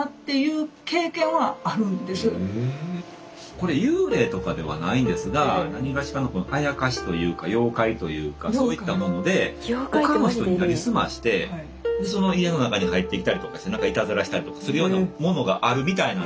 これ幽霊とかではないですが何がしかのこのあやかしというか妖怪というかそういったもので他の人になりすましてその家の中に入ってきたりとかしていたずらしたりとかするようなものがあるみたいなんですよ。